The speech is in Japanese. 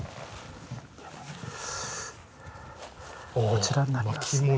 こちらになりますね。